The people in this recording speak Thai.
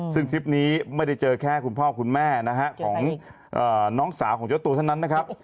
ซึ่งคลิปนี้ไม่ได้เจอแค่คุณพ่อคุณแม่นะฮะของน้องสาวของเจ้าตัวเท่านั้นนะครับ